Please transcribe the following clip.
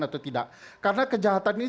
atau tidak karena kejahatan ini